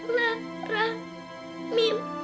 lara minta ibu